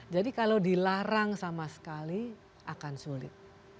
jadi kalau dilarang sama sekali akan sulit